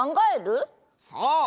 そう！